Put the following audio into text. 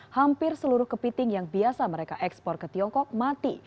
hampir seluruh kepiting yang biasa mereka ekspor ke tiongkok mati